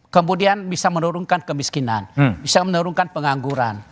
kemudian bisa menurunkan kemiskinan bisa menurunkan pengangguran